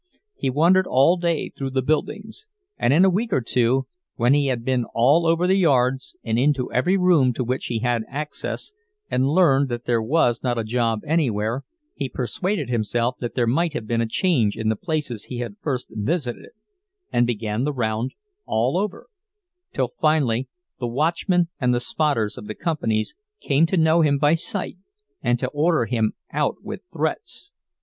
He wandered all day through the buildings; and in a week or two, when he had been all over the yards, and into every room to which he had access, and learned that there was not a job anywhere, he persuaded himself that there might have been a change in the places he had first visited, and began the round all over; till finally the watchmen and the "spotters" of the companies came to know him by sight and to order him out with threats.